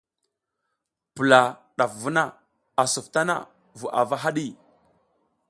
Pula ɗaf vuna a suf tana vu ava haɗi.